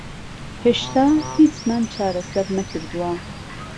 هێشتا هیچمان چارەسەر نەکردووە.